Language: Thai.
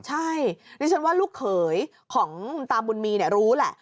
ใช่ดิฉันว่าลูกเขยของคุณตาบุญมีรู้แหละ